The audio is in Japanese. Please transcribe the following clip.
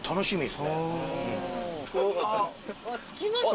着きましたね。